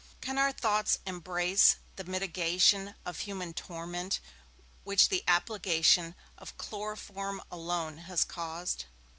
Can our thoughts embrace the mitigation of human torment which the application of chloroform alone has caused?